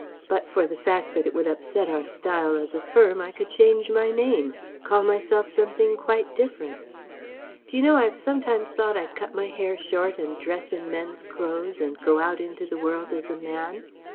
But for the fact that it would upset our style as a firm I could change my name: call myself something quite different.... "D'you know, I've sometimes thought I'd cut my hair short and dress in men's clothes, and go out into the world as a man